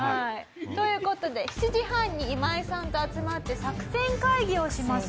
という事で７時半にイマイさんと集まって作戦会議をします。